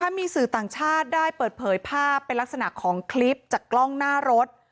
มีสื่อต่างชาติได้เปิดเผยภาพเป็นลักษณะของคลิปจากกล้องหน้ารถ